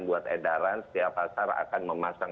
buat edaran setiap pasar akan memasang